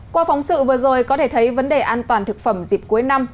qua phóng sự vừa rồi có thể thấy vấn đề an toàn thực phẩm dịp cuối năm